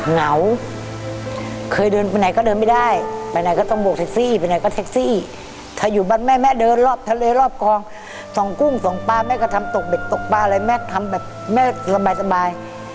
เหงาเคยเดินไปไหนก็เดินไม่ได้ไปไหนก็ต้องโบกแท็กซี่ไปไหนก็เซ็กซี่ถ้าอยู่บ้านแม่แม่เดินรอบทะเลรอบคลองส่องกุ้งส่องปลาแม่ก็ทำตกเบ็ดตกปลาอะไรแม่ทำแบบแม่สบาย